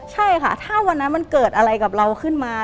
ใช่ค่ะถ้าวันนั้นมันเกิดอะไรกับเราขึ้นมา